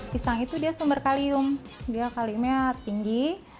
pisang itu dia sumber kalium dia kaliumnya tinggi